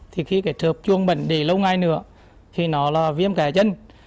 thì khi cái chuông bệnh để lâu ngày nữa thì nó là viêm kẽ chân